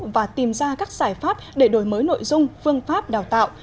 và tìm ra các giải pháp để đổi mới nội dung phương pháp đào tạo